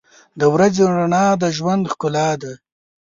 • د ورځې رڼا د ژوند ښکلا ده.